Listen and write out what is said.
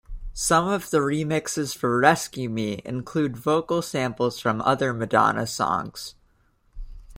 Some of the remixes for "Rescue Me" include vocal samples from other Madonna songs.